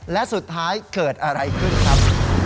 และสุดท้ายเกิดอะไรขึ้นครับ